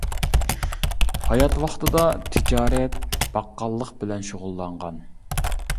ھايات ۋاقتىدا تىجارەت، باققاللىق بىلەن شۇغۇللانغان.